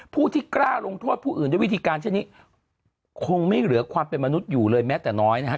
ผู้ที่กล้าลงโทษผู้อื่นด้วยวิธีการเช่นนี้คงไม่เหลือความเป็นมนุษย์อยู่เลยแม้แต่น้อยนะฮะ